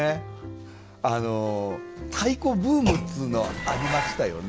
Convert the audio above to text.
あの太鼓ブームっつうのはありましたよね。